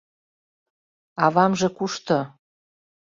— Авамже кушто?